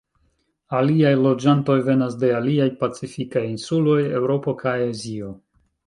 Aliaj loĝantoj venas de aliaj pacifikaj insuloj, Eŭropo kaj Azio.